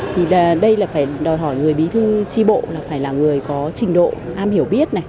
thì đây là phải đòi hỏi người bí thư tri bộ là phải là người có trình độ am hiểu biết này